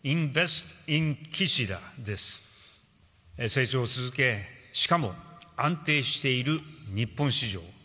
成長を続け、しかも安定している日本市場。